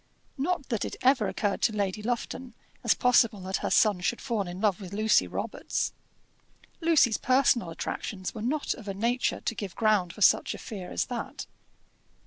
Not that it ever occurred to Lady Lufton as possible that her son should fall in love with Lucy Robarts. Lucy's personal attractions were not of a nature to give ground for such a fear as that.